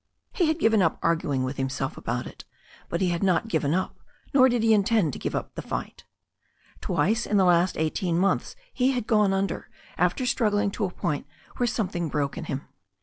He had gfiven up arguing with himself about it, but he had not given up, nor did he intend to give up the fight. Twice in the last eighteen months he had gone under, after struggling to a point where something broke in him.